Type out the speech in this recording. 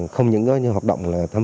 không những là hoạt động thăm viếng hương